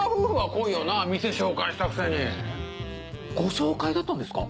ご紹介だったんですか？